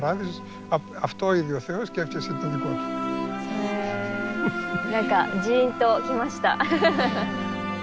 へえ何かジーンときました。